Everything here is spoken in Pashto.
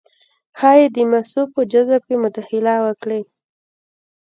ښايي د مسو په جذب کې مداخله وکړي